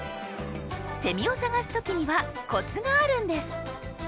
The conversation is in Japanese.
セミを探す時にはコツがあるんです。